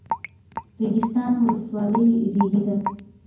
ریګستان ولسوالۍ ریګي ده؟